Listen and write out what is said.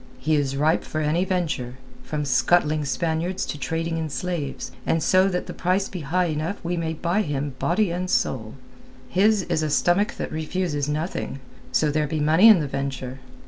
He is ripe for any venture, from scuttling Spaniards to trading in slaves, and so that the price be high enough we may buy him body and soul. His is a stomach that refuses nothing, so there be money in the venture.